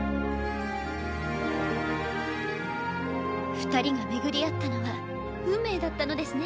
二人が巡り会ったのは運命だったのですね。